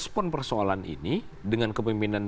persoalan ini dengan kemimpinan